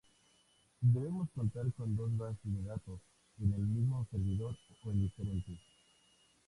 Debemos contar con dos bases de datos, en el mismo servidor o en diferentes.